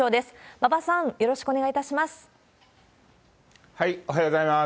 馬場さん、よろしくお願いいたしおはようございます。